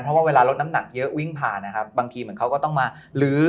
เพราะว่าเวลารถน้ำหนักเยอะวิ่งผ่านนะครับบางทีเหมือนเขาก็ต้องมาลื้อ